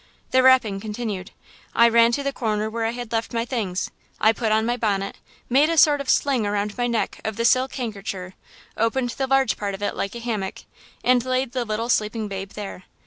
"The rapping continued. I ran to the corner where I had left my things. I put on my bonnet, made a sort of sling around my neck of the silk handkercher, opened the large part of it like a hammock and laid the little sleeping babe there.